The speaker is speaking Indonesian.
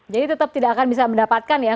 jadi tetap tidak akan bisa mendapatkan ya